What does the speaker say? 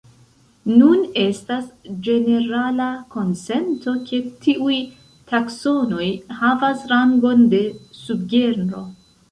Nun estas ĝenerala konsento ke tiuj taksonoj havas rangon de subgenro.